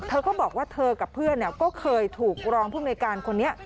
เธอก็บอกว่าเธอกับเพื่อนก็เคยถูกรองภูมิในการคนนี้